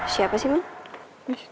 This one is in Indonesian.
siapa sih man